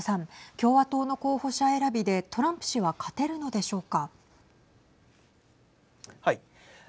共和党の候補者選びでトランプ氏は勝てるのでしょうか。